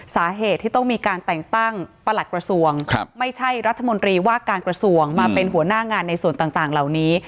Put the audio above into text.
สาเหตุที่ต้องมีการแต่งตั้งประหลัดกระทรวงไม่ใช่รัฐมนตรีว่าการกระทรวงมาเป็นหัวหน้างานในส่วนต่างเหล่านี้